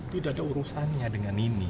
tidak ada urusannya dengan ini